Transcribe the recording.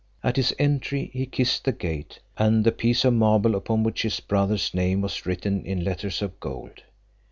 At his entry he kissed the gate, and the piece of marble upon which his brother's name was written in letters of gold.